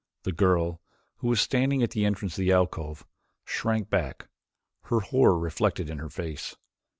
The girl, who was standing at the entrance of the alcove, shrank back, her horror reflected in her face.